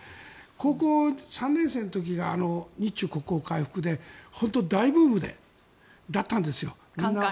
高校３年生の時が日中国交回復で本当、大ブームだったんですよ。